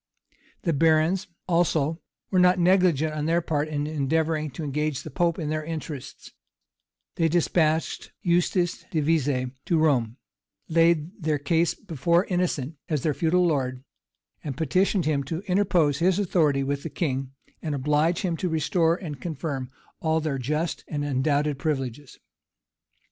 [] The barons, also, were not negligent on their part in endeavoring to engage the pope in their interests: they despatched Eustace de Vescie to Rome; laid their case before Innocent as their feudal lord; and petitioned him to interpose his authority with the king, and oblige him to restore and confirm all their just and undoubted privileges.